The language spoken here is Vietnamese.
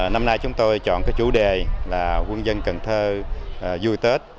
năm nay chúng tôi chọn cái chủ đề là quân dân cần thơ vui tết